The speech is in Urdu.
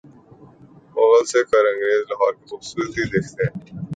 مغل، سکھ اور انگریز لاہور کو خوبصورتی دے گئے۔